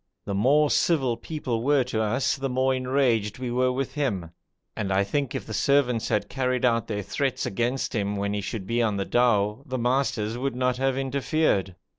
The more civil people were to us the more enraged we were with him, and I think if the servants had carried out their threats against him when he should be on the dhow, the masters would not have interfered.